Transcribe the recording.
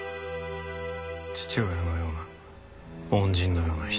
父親のような恩人のような人。